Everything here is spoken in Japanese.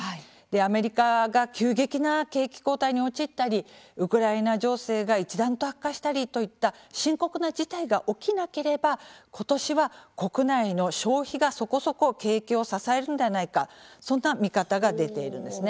アメリカが急激な景気後退に陥ったりウクライナ情勢が一段と悪化したりといった深刻な事態が起きなければ今年は国内の消費がそこそこ景気を支えるのではないかそんな見方が出ているんですね。